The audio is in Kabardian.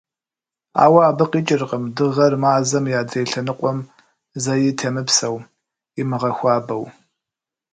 Ауэ абы къикӏыркъым Дыгъэр Мазэм и адрей лъэныкъуэм зэи темыпсэу, имыгъэхуабэу.